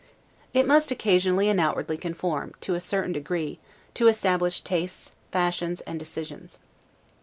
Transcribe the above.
It must occasionally and outwardly conform, to a certain degree, to establish tastes, fashions, and decisions.